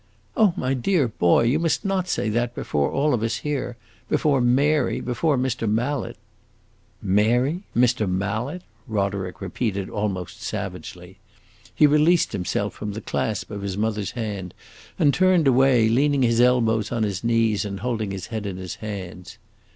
"Oh, my dear boy, you must not say that before all of us here before Mary, before Mr. Mallet!" "Mary Mr. Mallet?" Roderick repeated, almost savagely. He released himself from the clasp of his mother's hand and turned away, leaning his elbows on his knees and holding his head in his hands.